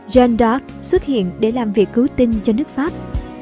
jeanne d arc xuất hiện để làm việc cứu tinh cho nước pháp